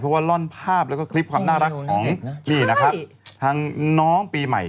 เพราะว่าร่อนภาพและคลิปความน่ารักของ